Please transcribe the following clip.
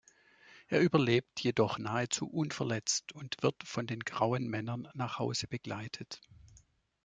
Er überlebt jedoch nahezu unverletzt und wird von den grauen Männern nach Hause begleitet.